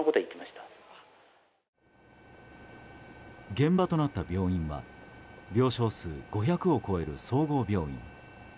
現場となった病院は病床数５００を超える総合病院。